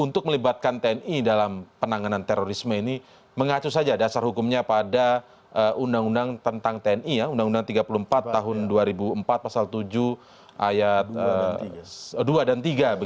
untuk melibatkan tni dalam penanganan terorisme ini mengacu saja dasar hukumnya pada undang undang tentang tni undang undang tiga puluh empat tahun dua ribu empat pasal tujuh ayat dua dan tiga